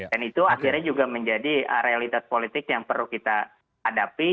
dan itu akhirnya juga menjadi realitas politik yang perlu kita hadapi